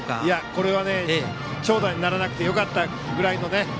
これは長打にならなくてよかったぐらいのね。